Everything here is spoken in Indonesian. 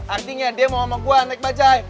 artinya dia mau sama gue naik bajaj